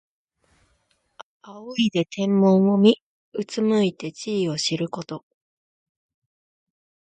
仰いで天文を見、うつむいて地理を知ること。